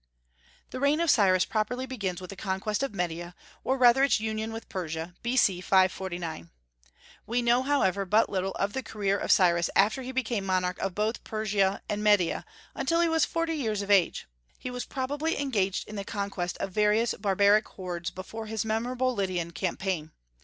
The reign of Cyrus properly begins with the conquest of Media, or rather its union with Persia, B.C. 549. We know, however, but little of the career of Cyrus after he became monarch of both Persia and Media, until he was forty years of age. He was probably engaged in the conquest of various barbaric hordes before his memorable Lydian campaign.